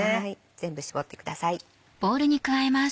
全部搾ってください。